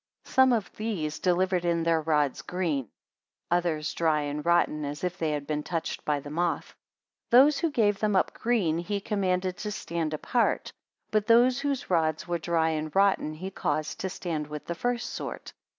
Some of these delivered. in their rods green; others dry and rotten, as if they had been touched by the moth. 36 Those who gave them up green, he commanded to stand apart: but those whose rods were dry and rotten, he caused to stand with the first sort.